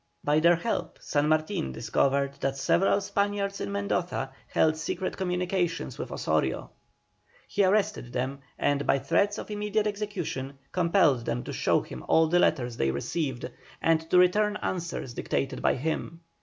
By their help San Martin discovered that several Spaniards in Mendoza held secret communications with Osorio. He arrested them, and by threats of immediate execution, compelled them to show him all the letters they received, and to return answers dictated by him.